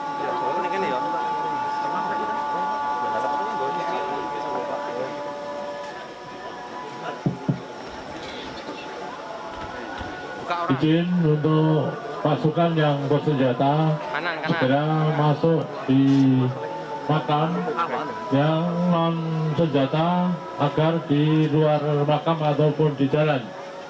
izin untuk pasukan yang bersenjata segera masuk di makam yang bersenjata agar di luar makam ataupun di jalan